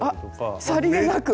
あっさりげなく。